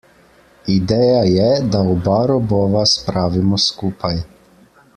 Ideja je, da oba robova spravimo skupaj.